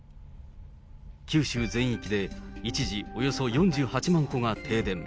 九州全域で一時４８万戸が停電。